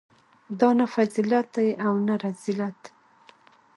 دا نه فضیلت دی او نه رذیلت.